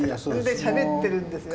しゃべってるんですよ。